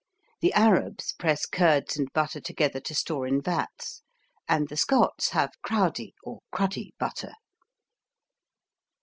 The Arabs press curds and butter together to store in vats, and the Scots have Crowdie or Cruddy Butter.